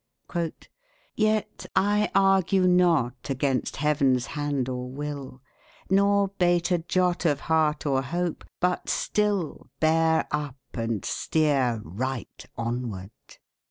"... Yet I argue not Against Heaven's hand or will, nor bate a jot Of heart or hope; but still bear up and steer Right onward."